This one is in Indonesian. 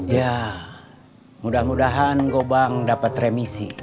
ya mudah mudahan gobang dapat remisi